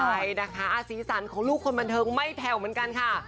ใช่นะคะสีสันของลูกคนบันเทิงไม่แผ่วเหมือนกันค่ะ